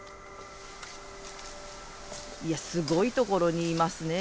いやすごいところにいますね。